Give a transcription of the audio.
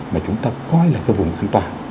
mà chúng ta coi là cái vùng an toàn